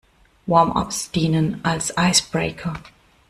Warm-ups dienen als Icebreaker.